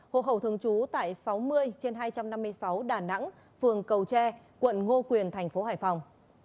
hộ khẩu thường trú tại sáu mươi trên hai trăm năm mươi sáu đà nẵng phường cầu tre quận ngô quyền thành phố hải phòng